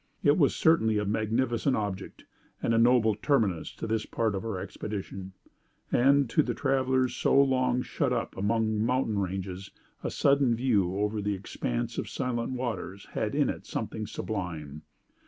It was certainly a magnificent object, and a noble terminus to this part of our expedition; and to travelers so long shut up among mountain ranges, a sudden view over the expanse of silent waters had in it something sublime.